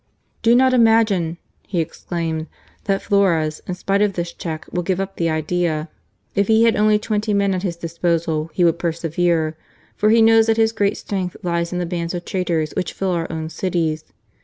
" Do not imagine," he exclaimed, " that Flores, in spite of this check, will give up the idea. If he D 34 GARCIA MORENO. had only twenty men at his disposal he would per severe, for he knows that his great strength lies in the bands of traitors which fill our own cities.